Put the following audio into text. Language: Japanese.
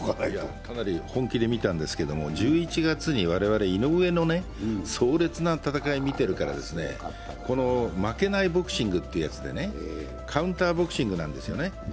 かなり本気で見たんですけど、１１月に我々、井上の壮烈な戦いを見てるからね、この負けないボクシングといってカウンターボクシングなんですね。